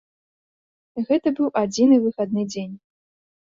Гэта быў адзіны выхадны дзень.